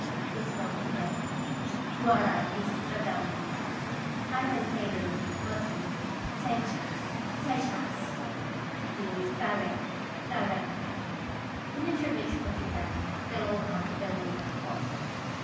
They spoke together :" You are right, Mrs. Trevelyan." Ivan came in, muttering: "Seitshas! Set tshas! (Directly, directly!) Dmitrivitch muttered back: " They'll have to belay that talk